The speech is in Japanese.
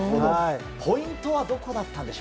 ポイントはどこでしたか。